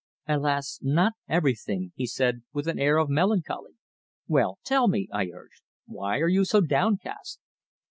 "Alas! not everything," he said, with an air of melancholy. "Well, tell me," I urged. "Why are you so downcast?"